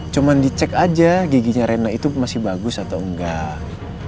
cuma dicek aja giginya rena itu masih bagus atau enggak